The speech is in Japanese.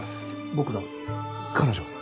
僕が彼女を？